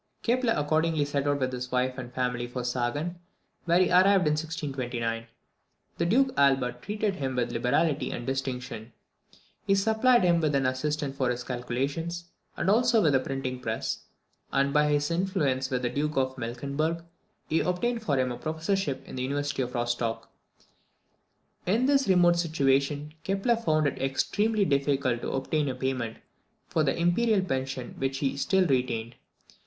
Kepler accordingly set out with his wife and family for Sagan, where he arrived in 1629. The Duke Albert treated him with liberality and distinction. He supplied him with an assistant for his calculations, and also with a printing press; and, by his influence with the Duke of Mecklenburg, he obtained for him a professorship in the University of Rostoch. In this remote situation, Kepler found it extremely difficult to obtain payment of the imperial pension which he still retained.